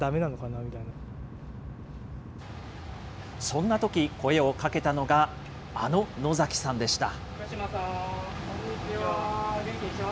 そんなとき、声をかけたのが、あの野崎さんでした。